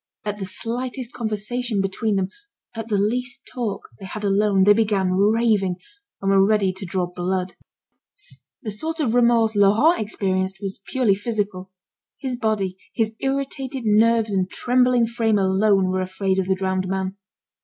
At the slightest conversation between them, at the least talk, they had alone, they began raving, and were ready to draw blood. The sort of remorse Laurent experienced was purely physical. His body, his irritated nerves and trembling frame alone were afraid of the drowned man.